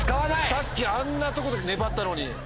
さっきあんなとこで粘ったのに。